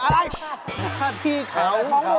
ฮ่าฮี่เขานี่ของหนู